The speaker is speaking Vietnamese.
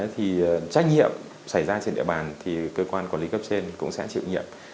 thì trách nhiệm xảy ra trên địa bàn thì cơ quan quản lý cấp trên cũng sẽ chịu nhiệm